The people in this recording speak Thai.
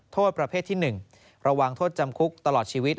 โทษประเภทที่๑ระวังโทษจำคุกตลอดชีวิต